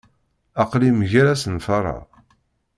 Aql-i mgal asenfar-a.